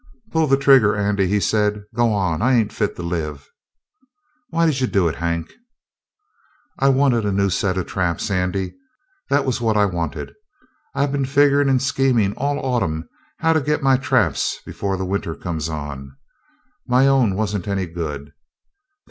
"Pull the trigger, Andy," he said. "Go on. I ain't fit to live." "Why did you do it, Hank?" "I wanted a new set of traps, Andy; that was what I wanted. I'd been figurin' and schemin' all autumn how to get my traps before the winter comes on. My own wasn't any good.